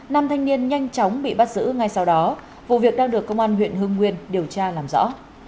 nam thanh niên nhanh chóng bị bắt giữ ngay sau đó vụ việc đang được công an huyện hưng nguyên điều tra làm rõ